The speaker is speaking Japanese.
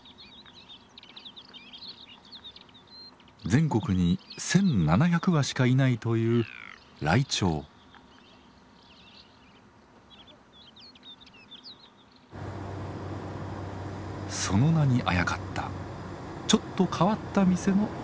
全国に１，７００羽しかいないというその名にあやかったちょっと変わった店のお話です。